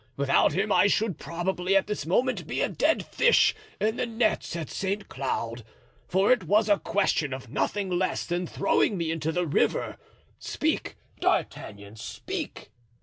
Without him I should probably at this moment be a dead fish in the nets at Saint Cloud, for it was a question of nothing less than throwing me into the river. Speak, D'Artagnan, speak."